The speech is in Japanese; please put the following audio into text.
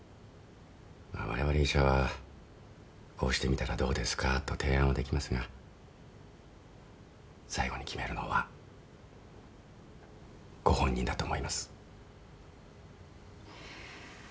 われわれ医者はこうしてみたらどうですか？と提案はできますが最後に決めるのはご本人だと思います。